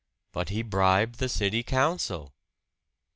"But he bribed the city council."